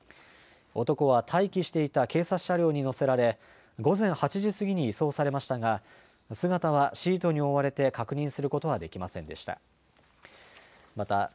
男は待機していた警察車両に乗せられ、午前８時過ぎに移送されましたが、姿はシートに覆われて確認することはできませんでした。